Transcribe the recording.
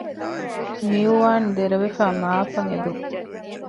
މިއުވާން ދެރަވެފައި މަޢާފަށް އެދުން